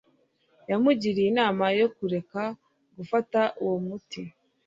yamugiriye inama yo kureka gufata uwo muti